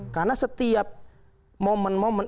karena setiap momen momen